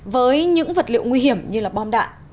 với những vật liệu nguy hiểm như bom đạn